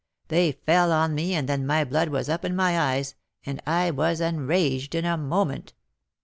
They fell on me, and then my blood was up in my eyes, and I was enraged in a moment.